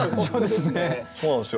そうなんですよ。